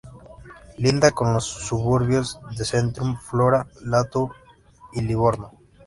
Linda con los suburbios de Centrum, Flora, Latour y Livorno.